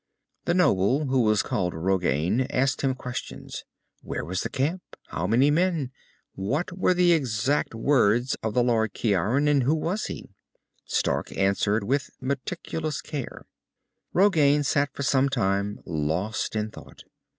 The noble, who was called Rogain, asked him questions. Where was the camp? How many men? What were the exact words of the Lord Ciaran, and who was he? Stark answered, with meticulous care. Rogain sat for some time lost in thought.